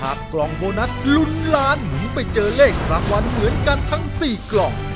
กล่องโบนัสลุ้นล้านหมุนไปเจอเลขรางวัลเหมือนกันทั้ง๔กล่อง